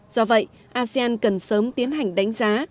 do vậy asean cần sớm tiến hành đánh giá